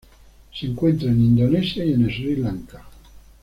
Se encuentra en Indonesia y en Sri Lanka.